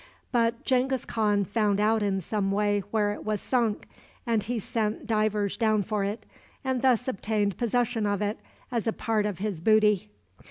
But Genghis Khan found out in some way where it was sunk, and he sent divers down for it, and thus obtained possession of it as a part of his booty.